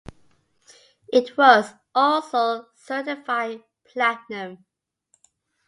It was also certified platinum.